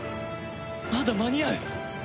まだ間に合う。